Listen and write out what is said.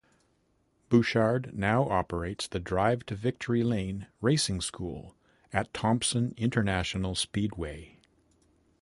Bouchard now operates the Drive to Victory Lane Racing School at Thompson International Speedway.